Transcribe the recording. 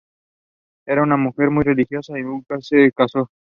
Era una mujer muy religiosa y nunca se casó.